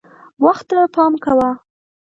وخت ته پام کوه .